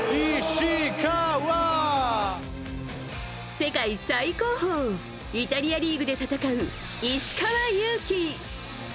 世界最高峰イタリアリーグで戦う石川祐希。